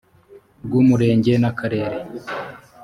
rw umurenge n akarere